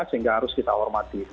sehingga harus kita hormati